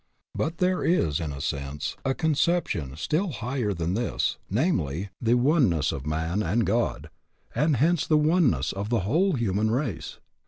But there is, in a sense, a conception still higher than this, namely, the oneness of man and God, and hence the oneness of the whole human race.